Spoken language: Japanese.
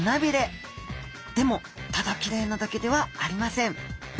でもただきれいなだけではありません。